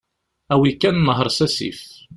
Awi kan nher s asif.